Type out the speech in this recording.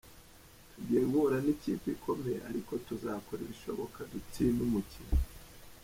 Tugiye guhura n’ikipe ikomeye ariko tuzakora ibishoboka dutsinde umukino.